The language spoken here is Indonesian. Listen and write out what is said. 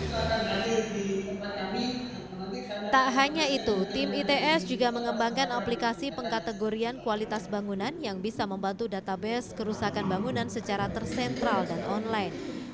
tak hanya itu tim its juga mengembangkan aplikasi pengkategorian kualitas bangunan yang bisa membantu database kerusakan bangunan secara tersentral dan online